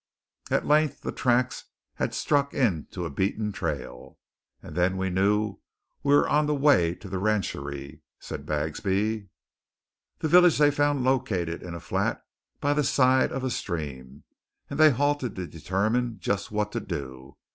At length the tracks had struck into a beaten trail. "And then we knew we were on the way to the rancheree," said Bagsby. The village they found located in a flat by the side of a stream, and they halted to determine just what to do.